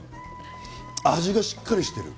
味がしっかりしてる。